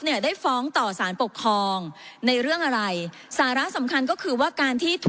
เนี่ยได้ฟ้องต่อสารปกครองในเรื่องอะไรสาระสำคัญก็คือว่าการที่ถูก